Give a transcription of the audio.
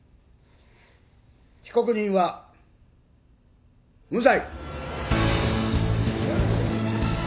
被告人は無罪。